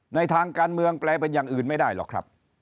ในทางการเมืองแปลเป็นอย่างอื่นไม่ได้หรอกครับ